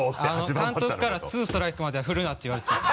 監督から２ストライクまでは振るなって言われてたんです。